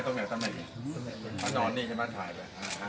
ตอบแหน่งงานบนตั๋วไหม